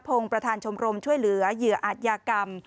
ประธานชมรมช่วยเหลือเหยื่ออาจยากรรม